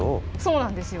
そうなんですよ。